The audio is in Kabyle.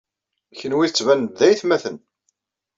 Kenwi tettbanem-d d aytmaten.